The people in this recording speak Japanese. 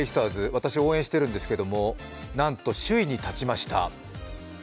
私、応援しているんですけど、なんと首位に立ちました。